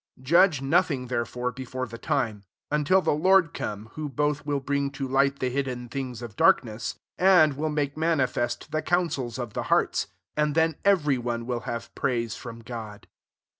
5 Judge no thing, therefore, before the time; until the Lord come, who both will bring to light the hidden things of darkness, and will make manifest the counsels of the hearts : and then every one will have praise from God.